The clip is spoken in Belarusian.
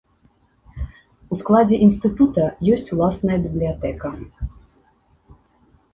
У складзе інстытута ёсць ўласная бібліятэка.